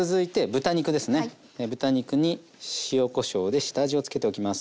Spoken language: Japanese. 豚肉に塩こしょうで下味をつけておきます。